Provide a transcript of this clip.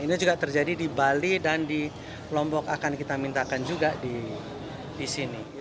ini juga terjadi di bali dan di lombok akan kita mintakan juga di sini